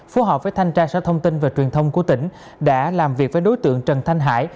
phù hợp với thanh tra sở thông tin và truyền thông của tỉnh đã làm việc với đối tượng trần thanh hải